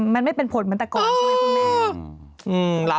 มันไม่เป็นผลเหมือนแต่ก่อนใช่ไหมคุณแม่